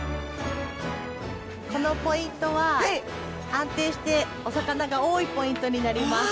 このポイントは安定してお魚が多いポイントになります。